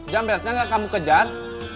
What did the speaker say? jamretnya gak kamu kejar